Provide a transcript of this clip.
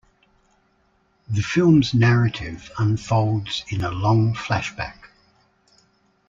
The film's narrative unfolds in a long flashback.